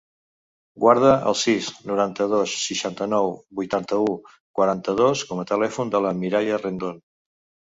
Guarda el sis, noranta-dos, seixanta-nou, vuitanta-u, quaranta-dos com a telèfon de la Mireia Rendon.